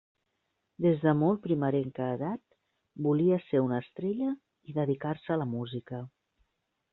Des de molt primerenca edat volia ser una estrella i dedicar-se a la música.